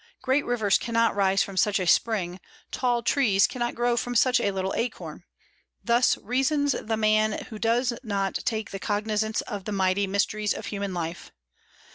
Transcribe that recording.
Great rivers cannot rise from such a spring; tall trees cannot grow from such a little acorn. Thus reasons the man who does not take cognizance of the mighty mysteries of human life.